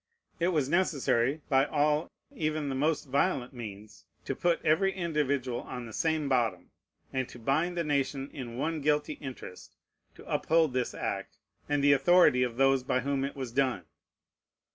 It was necessary, by all, even the most violent means, to put every individual on the same bottom, and to bind the nation in one guilty interest to uphold this act, and the authority of those by whom it was done.